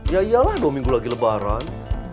yaiyalah dua minggu lagi lebaran